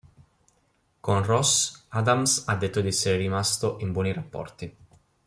Con Ross, Adams ha detto di essere rimasto in buoni rapporti.